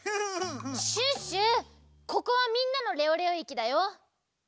ここはみんなのレオレオ駅だよ。